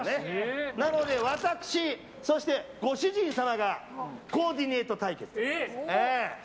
なので私、そしてご主人様がコーディネート対決。